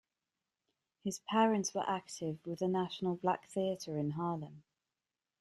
His parents were active with the National Black Theater in Harlem.